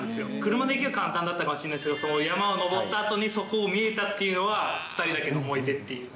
車で行けば簡単だったかもしれないんですけど、山を登ったあとに、そこを見れたっていうのが、２人だけの思い出っていう。